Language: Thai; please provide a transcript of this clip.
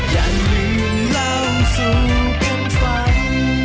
อย่าลืมเล่าสู่กันฟัง